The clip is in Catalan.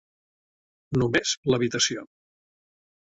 Només l'habitació.